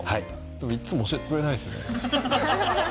でもいっつも教えてくれないっすよね。